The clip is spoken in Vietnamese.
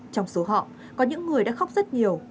trong số họ có những người đã khóc rất nhiều